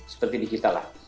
seperti di kita lah